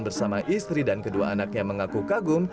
bersama istri dan kedua anaknya mengaku kagum